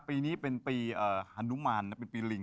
ปีนี้เป็นปีฮานุมานเป็นปีลิง